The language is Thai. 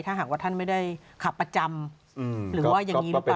ถ้าหากว่าท่านไม่ได้ขับประจำหรือว่าอย่างนี้หรือเปล่า